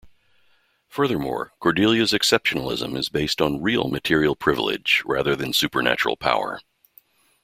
Furthermore, Cordelia's exceptionalism is based on 'real' material privilege rather than supernatural power.